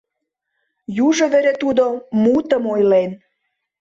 Южо вере тудо "мутым" ойлен.